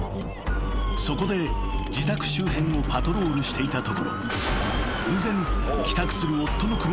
［そこで自宅周辺をパトロールしていたところ偶然］